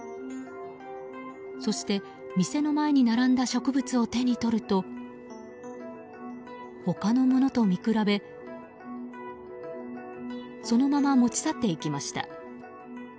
そして、店の前に並んだ植物を手に取ると他のものと見比べそのまま持ち去っていきました。